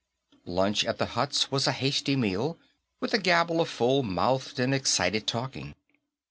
Lunch at the huts was a hasty meal, with a gabble of full mouthed and excited talking.